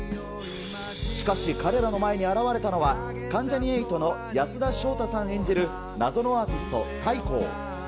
しかし、彼らの前に現れたのは、関ジャニ∞の安田章大さん演じる謎のアーティスト、タイコー。